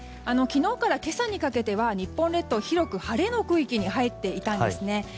昨日から今朝にかけては日本列島、広く晴れの区域に入っていたんですね。